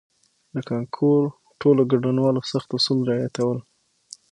د کانکور ټولو ګډونوالو سخت اصول رعایتول.